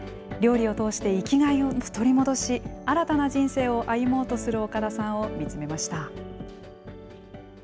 料理を通して、生きがいを取り戻し、新たな人生を歩もうとする岡田さんを見つめました。